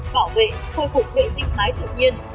bảo vệ khôi phục hệ sinh thái thực nhiên